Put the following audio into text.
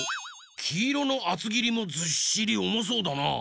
きいろのあつぎりもずっしりおもそうだな。